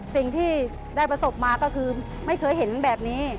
สิ่งที่ได้ประสบมาก็คือไม่เคยเห็นแบบนี้